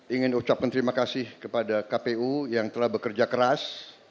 ingin ucapkan terima kasih kepada kpu yang telah bekerja keras